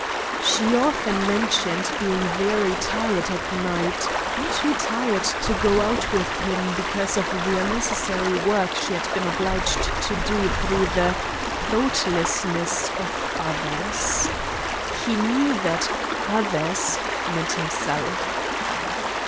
She often mentioned being very tired at night, too tired to go out with him because of the unnecessary work she had been obliged to do through the 'thoughtlessness of others.' He knew that 'others' meant himself.